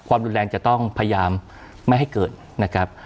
ความรุนแรงจะต้องพยายามไม่ให้เกิดนะครับ